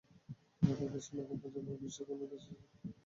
আমাদের দেশের নতুন প্রজন্ম বিশ্বের কোনো দেশের চেয়ে কোনো অংশে পিছিয়ে নেই।